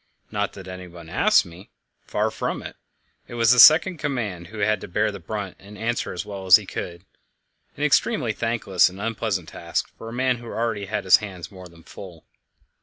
Not that anyone asked me far from it; it was the second in command who had to bear the brunt and answer as well as he could an extremely thankless and unpleasant task for a man who already had his hands more than full.